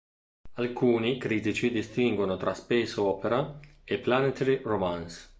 Alcuni critici distinguono tra space opera e planetary romance.